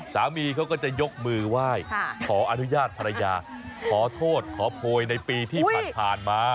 สามีเขาก็จะยกมือไหว้ขออนุญาตภรรยาขอโทษขอโพยในปีที่ผ่านมา